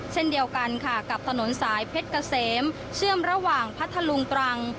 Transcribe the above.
เช่นเดียวกันค่ะกับถนนสายเพชรเกษมเชื่อมระหว่างพัทธลุงตรัง